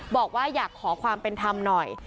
บอกว่าอยากขอความเป็นธรรมหน่อย